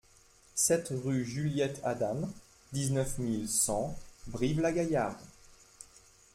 sept rue Juliette Adam, dix-neuf mille cent Brive-la-Gaillarde